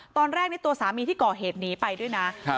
ตอนแรกในตัวสามีที่ก่อเหตุหนีไปด้วยนะ